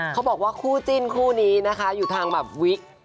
เขาบอกว่าคู่จิ้นคู่นี้นะคะอยู่ทางแบบวิก